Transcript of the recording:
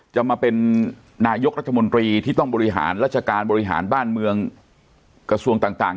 จะมาเป็นนายกรัฐมนตรีที่ต้องบริหารราชการบริหารบ้านเมืองกระทรวงต่าง